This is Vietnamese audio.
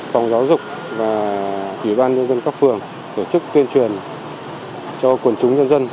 phòng giáo dục và ủy ban nhân dân các phường tổ chức tuyên truyền cho quần chúng nhân dân